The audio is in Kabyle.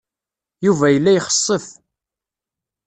Yuba yella ixessef.